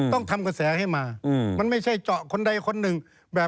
ต้องทำกระแสให้มามันไม่ใช่เจาะคนใดคนหนึ่งแบบ